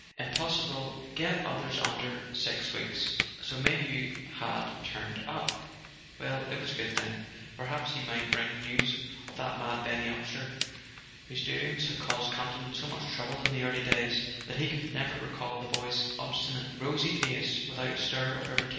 Impossible get others under six weeks." So Mayhew had turned up ! Well, it was a good thing: perhaps he might bring news of that mad Benny Upsher whose doings had caused Campton so much trouble in the early days that he could never recall the boy's obstinate rosy face without a stir of irritation.